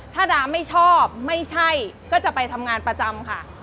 ถ้าดาไม่ชอบไม่ใช่ก็จะไปทำงานประจำค่ะ